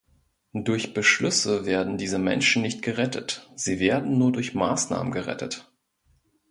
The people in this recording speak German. Durch Beschlüsse werden diese Menschen nicht gerettet, sie werden nur durch Maßnahmen gerettet.